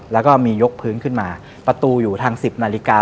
แล้วก็มียกพื้นขึ้นมาประตูอยู่ทาง๑๐นาฬิกา